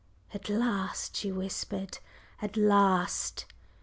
"At last!" she whispered, "at last!"